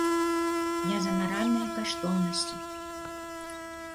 Я за маральныя каштоўнасці.